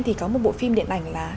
thì có một bộ phim điện ảnh là